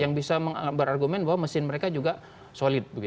yang bisa berargumen bahwa mesin mereka juga solid